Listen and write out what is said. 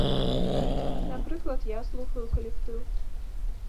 Напрыклад, я слухаю калектыў.